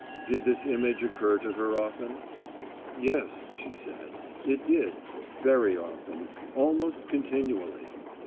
Did this image occur to her often? Yes, she said, it did very often, almost continually.